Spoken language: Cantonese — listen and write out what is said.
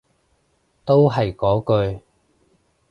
都係嗰句